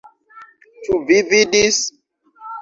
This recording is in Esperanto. Ĉu vi vidis?